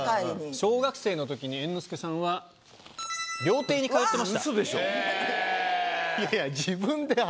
小学生のときに猿之助さんは料亭に通ってました。